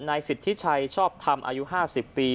สิทธิชัยชอบทำอายุ๕๐ปี